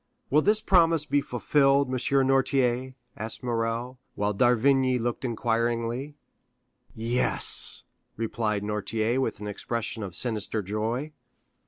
"Will this promise be fulfilled, M. Noirtier?" asked Morrel, while d'Avrigny looked inquiringly. "Yes," replied Noirtier with an expression of sinister joy.